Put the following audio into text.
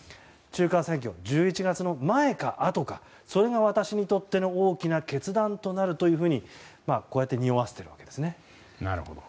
中間選挙、１１月の前かあとかそれが私にとっての大きな決断となるとこうやってにおわせているわけですね。